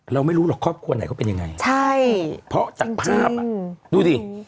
เราไม่รู้หรอกครอบครัวไหนเขาเป็นยังไงใช่เพราะจากภาพอ่ะดูดิ